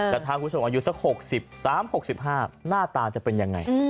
แต่ถ้าคุณผู้ชมอายุสัก๖๓๖๕หน้าตาจะเป็นยังไง